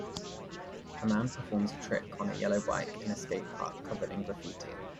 A man performs a trick on a yellow bike in a skate park covered in graffiti.